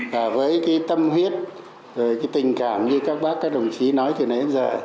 và với cái tâm huyết tình cảm như các bác các đồng chí nói từ nãy đến giờ